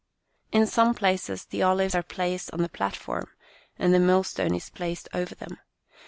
"In some places the olives are placed on a platform and the millstone is placed over them.